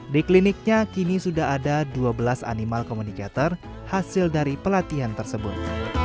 di kliniknya kini sudah ada dua belas animal communicator hasil dari pelatihan tersebut